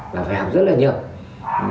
là phải học rất là nhiều